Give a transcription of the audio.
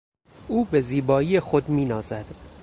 او به زیبایی خود مینازد.